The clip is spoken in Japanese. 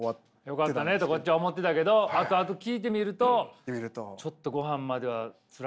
よかったねとこっちは思ってたけど後々聞いてみるとちょっとごはんまではツラかったとか。